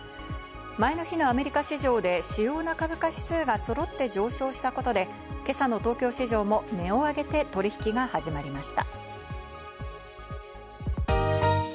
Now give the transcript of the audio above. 前の日のアメリカ市場で主要な株価指数がそろって上昇したことで、今朝の東京市場も値を上げて取引が始まりました。